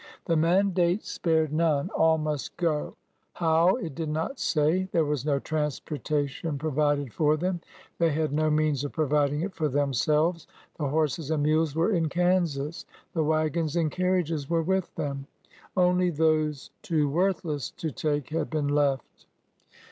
The mandate spared none. All must go. How, it did not say. There was no transportation provided for them. They had no means of providing it for themselves. The horses and mules were in Kansas. The wagons and car riages were with them. Only those too worthless to take had been left.